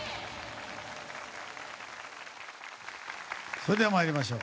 それでは参りましょう。